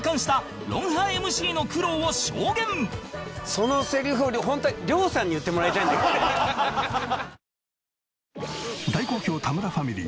そのセリフをホントは亮さんに言ってもらいたいんだけどね。